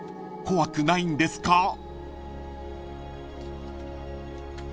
［怖くないんですか？］